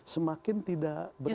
semakin tidak berada